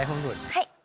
はい。